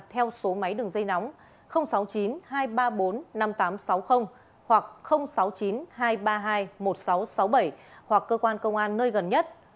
theo số máy đường dây nóng sáu mươi chín hai trăm ba mươi bốn năm nghìn tám trăm sáu mươi hoặc sáu mươi chín hai trăm ba mươi hai một nghìn sáu trăm sáu mươi bảy hoặc cơ quan công an nơi gần nhất